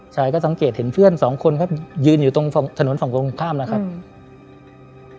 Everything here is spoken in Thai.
ใช่ก็สังเกตเห็นเพื่อนสองคนครับยืนอยู่ตรงถนนฝั่งตรงข้ามนะครับอืม